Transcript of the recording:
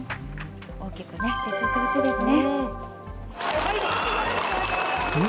大きくね、成長してほしいですね。